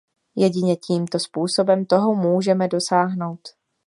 Jedině tímto způsobem toho můžeme dosáhnout.